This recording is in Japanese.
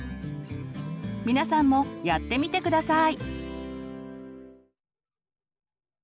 皆さんもやってみて下さい！